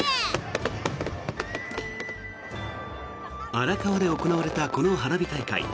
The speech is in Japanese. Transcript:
荒川で行われたこの花火大会。